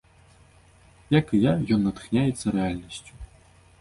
Як і я, ён натхняецца рэальнасцю.